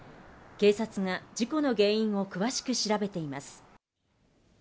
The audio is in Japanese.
警察が事故の原因を詳しく調べています。